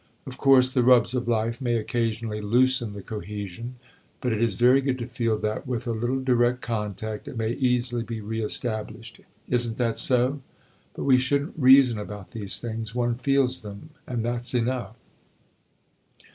Of course, the rubs of life may occasionally loosen the cohesion; but it is very good to feel that, with a little direct contact, it may easily be re established. Is n't that so? But we should n't reason about these things; one feels them, and that 's enough."